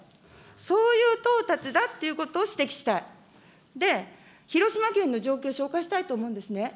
そういう到達だっていうことを指摘したい、で、広島県の状況、紹介したいと思うんですね。